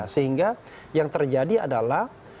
sehingga yang terjadi adalah